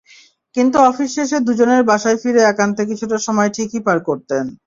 কিন্তু অফিস শেষে দুজনে বাসায় ফিরে একান্তে কিছুটা সময় ঠিকই পার করতেন।